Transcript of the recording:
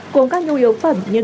cuốn các nhu yếu phẩm như gai